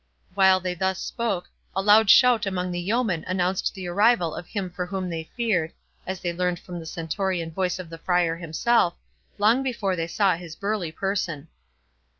While they thus spoke, a loud shout among the yeomen announced the arrival of him for whom they feared, as they learned from the stentorian voice of the Friar himself, long before they saw his burly person.